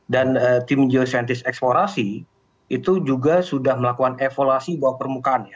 dan tim geoscientist eksplorasi itu juga sudah melakukan evaluasi bawah permukaan